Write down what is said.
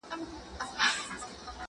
کافي اوبه د انفکشن خطر کموي.